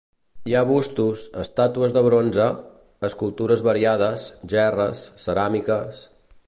Hi ha bustos, estàtues de bronze, escultures variades, gerres, ceràmiques...